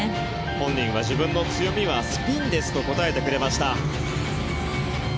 本人は自分の強みはスピンですと答えてくれました。